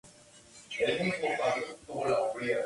El virus se transmite de los roedores a otros animales.